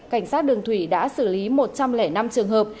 cảnh sát đường thủy đã xử lý một trăm linh năm trường hợp